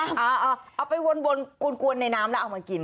เอาไปวนกวนในน้ำแล้วเอามากิน